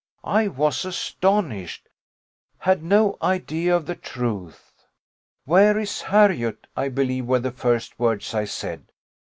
I was astonished had no idea of the truth. 'Where is Harriot?' I believe, were the first words I said.